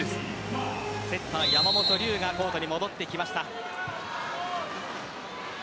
セッター山本龍がコートに戻りました。